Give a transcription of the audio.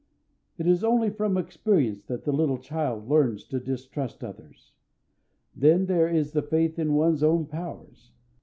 It is only from experience that the little child learns to distrust others. Then, there is the faith in one's own powers.